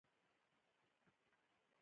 مچمچۍ د تودوخې په موسم کې راووځي